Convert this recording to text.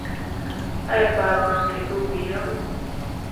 آیا په افغان کیدو ویاړو؟